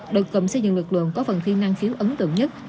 đội cầm xây dựng lực lượng có phần thi năng khiếu ấn tượng nhất